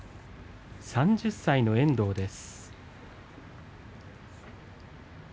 ３０歳の遠藤です。